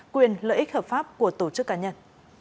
quyền lợi ích hợp pháp của tổ chức cá nhân